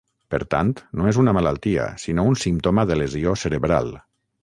Per tant, no és una malaltia, sinó un símptoma de lesió cerebral.